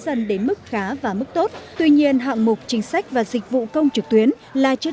dân đến mức khá và mức tốt tuy nhiên hạng mục chính sách và dịch vụ công trực tuyến là chưa